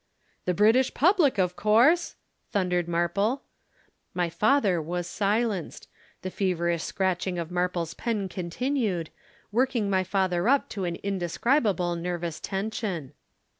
"'"The British Public of course," thundered Marple. My father was silenced. The feverish scratching of Marple's pen continued, working my father up to an indescribable nervous tension.